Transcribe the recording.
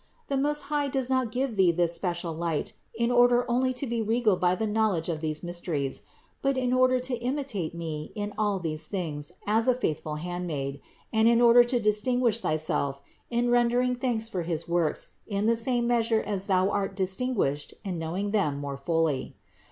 The Most High does not give thee this special light in order only to be regaled by the knowledge of these mysteries ; but in order to imitate me in all these things as a faithful handmaid and in order to distinguish thyself in rendering thanks for his works in the same measure as thou art distinguished in knowing them more fully.